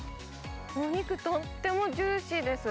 お肉とってもジューシーです。